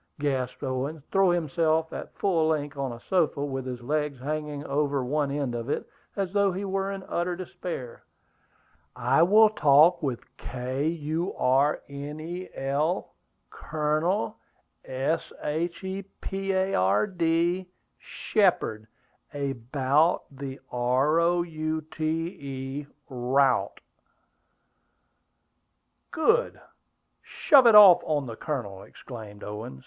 gasped Owen, throwing himself at full length on a sofa, with his legs hanging over one end of it, as though he were in utter despair. "I will talk with K u r n e l, Colonel, S h e p a r d, Shepard, a bout the r o u t e, route." "Good! Shove it off on the Colonel!" exclaimed Owen.